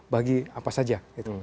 bagi apa saja